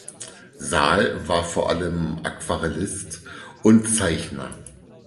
Saal war vor allem Aquarellist und Zeichner.